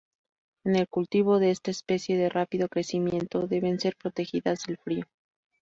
En el cultivo de esta especie de rápido crecimiento deben ser protegidas del frío.